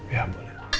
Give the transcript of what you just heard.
ya boleh lah